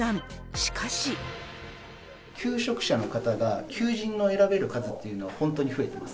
しかし。求職者の方が求人を選べる数っていうのは本当に増えてます。